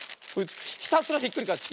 ひたすらひっくりがえす。